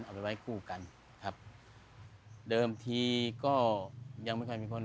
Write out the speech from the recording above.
เรื่องเกิดก็ยังไม่ค่อยมีคนรู้จักหรือไม่รู้ว่าอยากกำลังไปเท่าไหร่